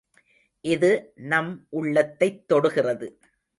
இது நம் உள்ளத்தைத் தொடுகிறது.